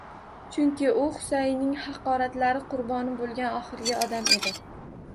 Chunki u Husaynning haqoratlari qurboni bo`lgan oxirgi odam edi